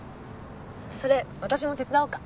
それ私も手伝おうか？